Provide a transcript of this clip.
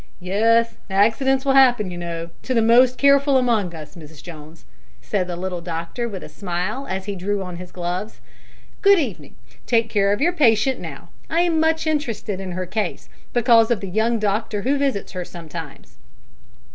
"Yes; accidents will happen, you know, to the most careful among us, Mrs Jones," said the little doctor, with a smile, as he drew on his gloves. "Good evening. Take care of your patient now; I'm much interested in her case because of the young doctor who visits her sometimes."